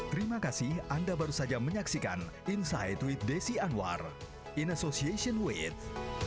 terima kasih anda baru saja menyaksikan inside with desi anwar in association with